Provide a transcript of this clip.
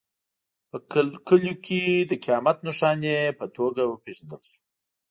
په کلیو کې د قیامت نښانې په توګه وپېژندل شو.